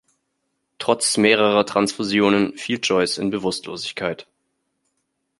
Trotz mehrerer Transfusionen fiel Joyce in Bewusstlosigkeit.